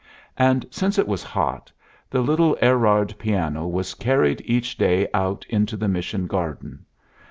And since it was hot, the little Erard piano was carried each day out into the mission garden.